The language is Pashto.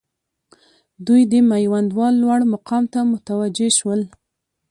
دوی د میوندوال لوړ مقام ته متوجه شول.